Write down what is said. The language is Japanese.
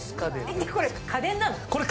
え、これ家電なの？